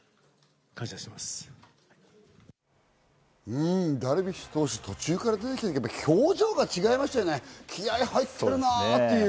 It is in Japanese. うん、ダルビッシュ投手、途中から出てきて、表情が違いましたね、気合い入ってるなぁっていう。